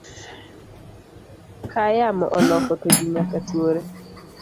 Kayamo oloko to ji nyaka tuore.